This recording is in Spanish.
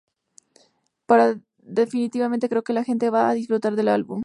Pero Definitivamente creo que la gente va a disfrutar del álbum.